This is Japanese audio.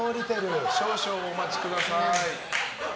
少々お待ちください。